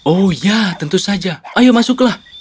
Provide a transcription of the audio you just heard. oh ya tentu saja ayo masuklah